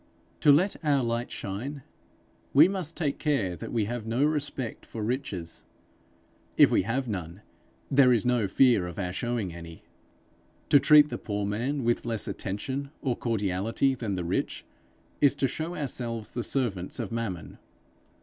To let our light shine, we must take care that we have no respect for riches: if we have none, there is no fear of our showing any. To treat the poor man with less attention or cordiality than the rich, is to show ourselves the servants of Mammon.